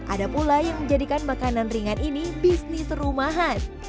ada pula yang menjadikan makanan ringan ini bisnis rumahan